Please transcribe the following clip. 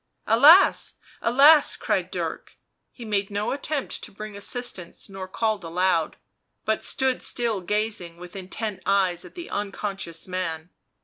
" Alas! alas!" cried Dirk; he made no attempt to bring assistance nor called aloud, but stood still, gazing with intent eyes at the unconscious man.